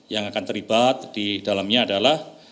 yang akan terlibat di dalamnya adalah